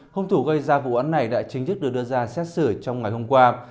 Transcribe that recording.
không thủ gây ra vụ ấn này đã chính chức được đưa ra xét xử trong ngày hôm qua